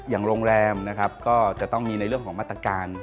อย่างโรงแรมก็จะต้องมีในเรื่องของมาตรฐาน